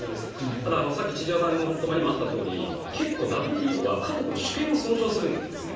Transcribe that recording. ただ、さっき千々岩さんのお言葉にもあったようにＷＴＯは各国の主権も尊重するんですね。